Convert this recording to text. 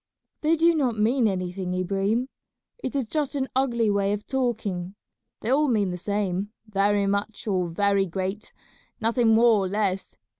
"They do not mean anything, Ibrahim; it is just an ugly way of talking. They all mean the same, 'very much' or 'very great,' nothing more or less.